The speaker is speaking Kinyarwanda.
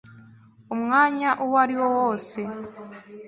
umwanya uwo ari wo wose.